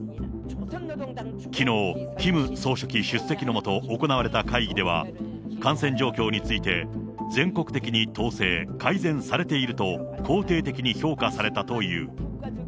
きのう、キム総書記出席のもと、行われた会議では、感染状況について、全国的に統制・改善されていると肯定的に評価されたという。